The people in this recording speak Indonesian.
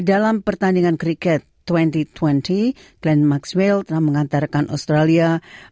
dalam pertandingan kriket dua ribu dua puluh glenn maxwell telah mengantarkan australia